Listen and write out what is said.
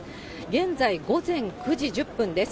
現在午前９時１０分です。